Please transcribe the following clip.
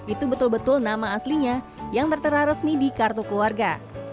itu betul betul nama aslinya yang tertera resmi di kartu keluarga